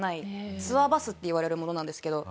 ツアーバスっていわれるものなんですけど。